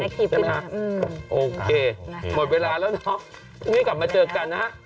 มันจะมีอัคทีปขึ้นครับอืมโอเคหมดเวลาแล้วเนอะพรุ่งนี้กลับมาเจอกันนะ